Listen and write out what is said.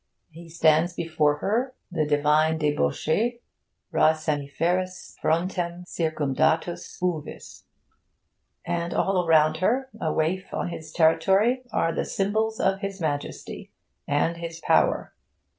He stands before her, the divine debauchee racemiferis frontem circumdatus uvis; and all around her, a waif on his territory, are the symbols of his majesty and his power.